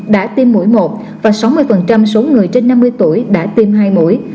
đã tiêm mũi một và sáu mươi số người trên năm mươi tuổi đã tiêm hai mũi